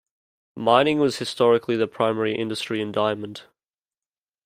Mining was historically the primary industry in Diamond.